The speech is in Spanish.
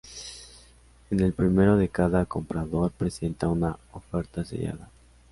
En el primero de cada comprador presenta una oferta sellada.